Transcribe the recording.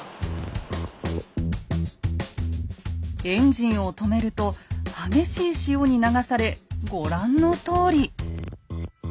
エンジンを止めると激しい潮に流されご覧のとおり。